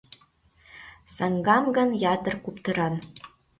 Саҥгам гын ятыр куптыран.